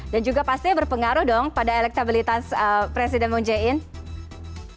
dan juga pasti berpengaruh dong pada elektabilitas presiden moon jae in